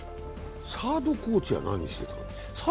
サードコーチは何してたの？